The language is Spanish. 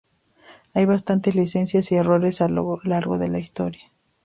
Hay bastantes licencias y errores a lo largo de la historia.